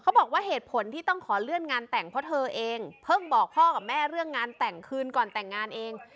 บอกว่าเหตุผลที่ต้องขอเลื่อนงานแต่งเพราะเธอเองเพิ่งบอกพ่อกับแม่เรื่องงานแต่งคืนก่อนแต่งงานเอง